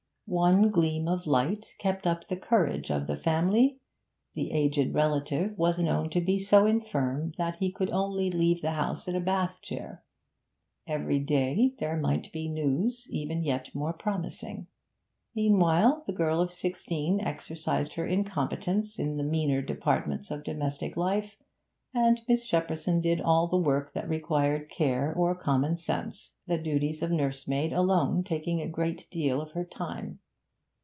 One gleam of light kept up the courage of the family: the aged relative was known to be so infirm that he could only leave the house in a bath chair; every day there might be news even yet more promising. Meanwhile, the girl of sixteen exercised her incompetence in the meaner departments of domestic life, and Miss Shepperson did all the work that required care or common sense, the duties of nursemaid alone taking a great deal of her time.